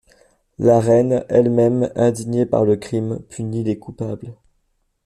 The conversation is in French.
La reine elle-même, indignée par le crime, punit les coupables.